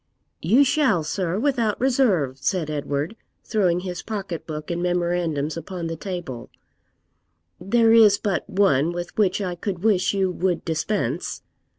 'You shall, sir, without reserve,' said Edward, throwing his pocket book and memorandums upon the table; 'there is but one with which I could wish you would dispense.'